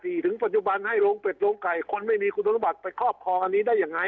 ถึงปัจจุบันให้โรงเป็ดโรงไก่คนไม่มีคุณสมบัติไปครอบครองอันนี้ได้ยังไง